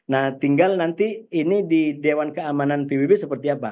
nah tinggal nanti ini di dewan keamanan pbb seperti apa